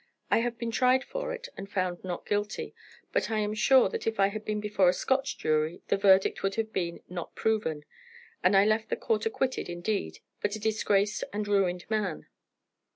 I have been tried for it and found not guilty, but I am sure that if I had been before a Scotch jury the verdict would have been not proven, and I left the court acquitted indeed, but a disgraced and ruined man."